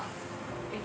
えっ？